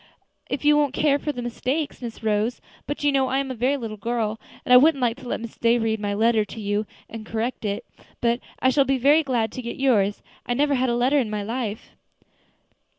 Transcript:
"If you won't care for the mistakes, Miss Rose. But you know I am a very little girl, and I wouldn't like to let Miss Day read my letter to you, to correct it. But I shall be so very glad to get yours. I never had a letter in my life."